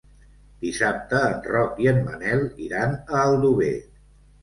Dissabte en Roc i en Manel iran a Aldover.